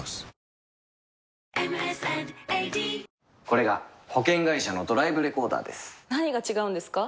これが保険会社のドライブレコーダーです何が違うんですか？